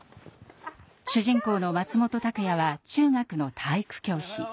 主人公の松本拓哉は中学の体育教師。